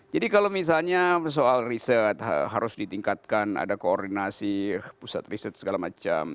jadi kalau misalnya soal riset harus ditingkatkan ada koordinasi pusat riset segala macam